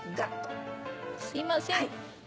すいません。